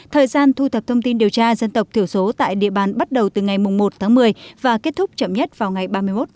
thời gian thu thập thông tin điều tra dân tộc thiểu số tại địa bàn bắt đầu từ ngày một một mươi và kết thúc chậm nhất vào ngày ba mươi một một mươi hai nghìn một mươi chín